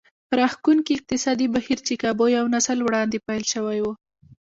راښکوونکي اقتصادي بهير چې کابو يو نسل وړاندې پيل شوی و.